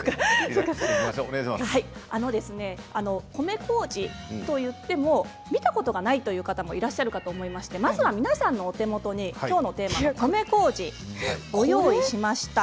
米こうじ、といっても見たことがないという方もいらっしゃるかと思いましてまずは皆さんの手元にきょうのテーマの米こうじご用意しました。